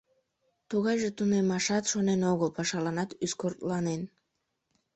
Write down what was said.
Тугайже тунемашат шонен огыл, пашаланат ӱскыртланен.